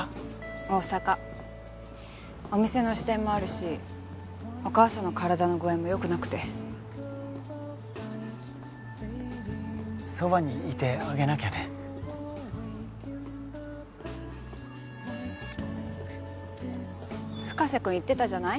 大阪お店の支店もあるしお母さんの体の具合もよくなくてそばにいてあげなきゃね深瀬君言ってたじゃない？